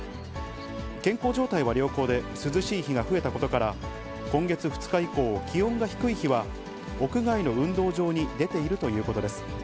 健康状態は良好で、涼しい日が増えたことから、今月２日以降、気温が低い日は屋外の運動場に出ているということです。